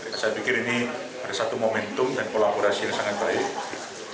saya pikir ini ada satu momentum dan kolaborasi yang sangat baik